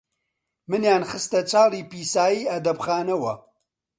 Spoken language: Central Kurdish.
منیان خستە چاڵی پیسایی ئەدەبخانەوە،